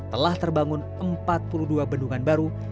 telah terbangun empat puluh dua bendungan baru